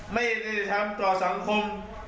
ไม่ได้รับความสังคม